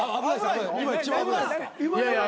今一番危ないです。